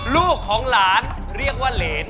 ลูกของหลานเรียกว่าเหรน